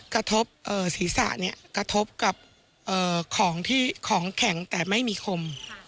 กระทบศีรษะเนี่ยกระทบกับของที่ของแข็งแต่ไม่มีคม